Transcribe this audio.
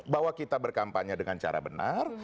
bahwa kita berkampanye dengan cara benar